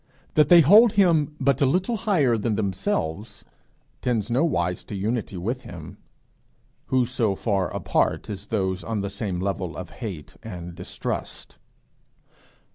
That they hold him but a little higher than themselves, tends nowise to unity with him: who so far apart as those on the same level of hate and distrust?